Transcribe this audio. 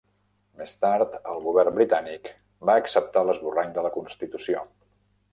Més tard, el govern britànic va acceptar l'esborrany de la constitució.